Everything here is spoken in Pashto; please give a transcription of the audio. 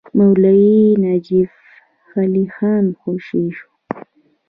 مولوي نجف علي خان خوشي شو.